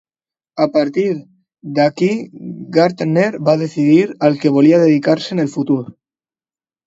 A partir d'aquí Gardner va decidir al que volia dedicar-se en el futur.